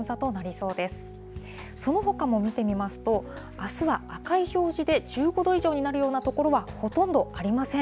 そのほかも見てみますと、あすは赤い表示で１５度以上になるような所はほとんどありません。